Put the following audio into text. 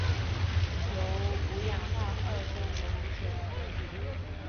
由五氧化二砷溶于水而得。